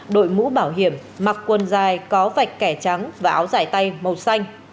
đội mũ bảo hiểm mặc quần dài có vạch kẻ trắng và áo dài tay màu xanh